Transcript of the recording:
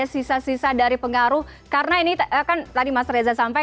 tinggal menunggu waktu saja sampai